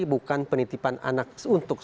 bukan penitipan anak untuk